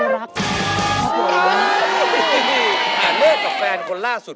เฮ่ย